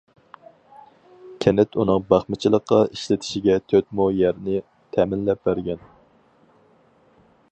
كەنت ئۇنىڭ باقمىچىلىققا ئىشلىتىشىگە تۆت مو يەرنى تەمىنلەپ بەرگەن.